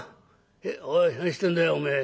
「おい何してんだよおめえ。